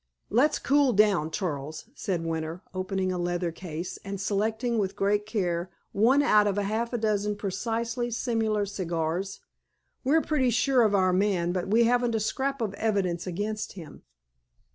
"Let's cool down, Charles!" said Winter, opening a leather case, and selecting, with great care, one out of half a dozen precisely similar cigars. "We're pretty sure of our man, but we haven't a scrap of evidence against him.